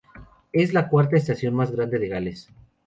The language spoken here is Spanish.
Es la cuarta estación más grande de Gales.